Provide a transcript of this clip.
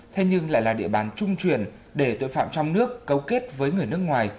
thế nhưng lại là địa bàn trung truyền để tội phạm trong nước cấu kết với người nước ngoài